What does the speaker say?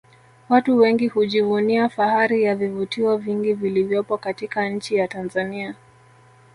Watu wengi hujivunia fahari ya vivutio vingi vilivyopo katika nchi ya Tanzania